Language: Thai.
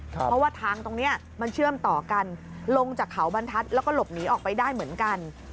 เพราะว่าทางตรงนี้มันเชื่อมต่อกันลงจากเขาบรรทัศน์แล้วก็หลบหนีออกไปได้เหมือนกัน